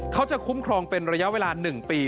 เขาจะคุ้มครองเป็นระยะเวลา๑ปี